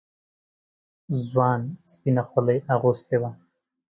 ځوان سپينه خولۍ اغوستې وه.